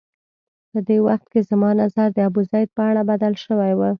په دې وخت کې زما نظر د ابوزید په اړه بدل شوی و.